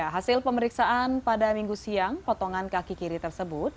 hasil pemeriksaan pada minggu siang potongan kaki kiri tersebut